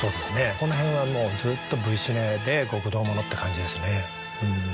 このへんはもうずっとＶシネで極道ものって感じですねうん。